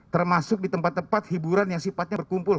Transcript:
termasuk di tempat tempat hiburan yang sifatnya berkumpul